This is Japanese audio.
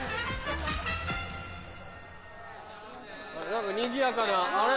何かにぎやかなあれ？